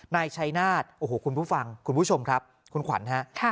นายชัยนาฏโอ้โหคุณผู้ฟังคุณผู้ชมครับคุณขวัญฮะ